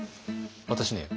私ね